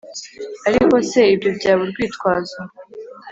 ariko se ibyo byaba urwitwazo